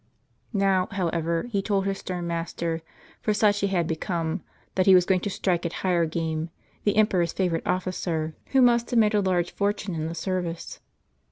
JS'ow, however, he told his stern master — for such he had become — that he was going to strike at higher game, the em peror's favorite officer, who must have made a large fortune in the service.